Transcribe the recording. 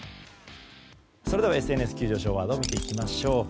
ＳＮＳ急上昇ワードを見ていきましょう。